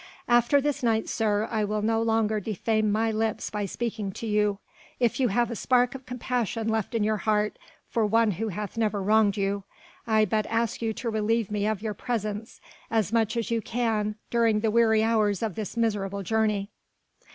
After this night, sir, I will no longer defame my lips by speaking to you. If you have a spark of compassion left in your heart for one who hath never wronged you, I but ask you to relieve me of your presence as much as you can during the weary hours of this miserable journey."